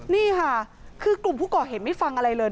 นี่ค่ะคือกลุ่มผู้ก่อเหตุไม่ฟังอะไรเลย